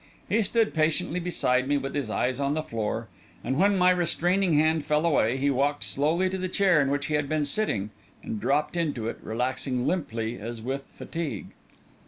He stood patiently beside me, with his eyes on the floor, and when my restraining hand fell away, he walked slowly to the chair in which he had been sitting, and dropped into it, relaxing limply as with fatigue.